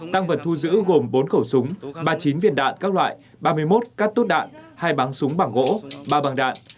tăng vật thu giữ gồm bốn khẩu súng ba mươi chín viện đạn các loại ba mươi một cắt tốt đạn hai báng súng bảng gỗ ba bằng đạn